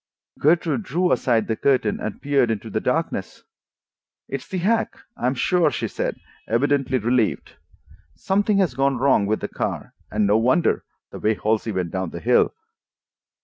Gertrude drew aside the curtain and peered into the darkness. "It's the hack, I am sure," she said, evidently relieved. "Something has gone wrong with the car, and no wonder—the way Halsey went down the hill."